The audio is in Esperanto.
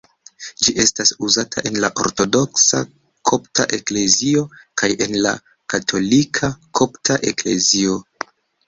Ĝi estas uzata en la Ortodoksa Kopta Eklezio kaj en la Katolika Kopta Eklezio.